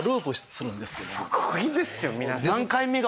すごいですよ皆さん。